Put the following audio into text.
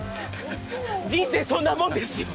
人生そんなもんですよ！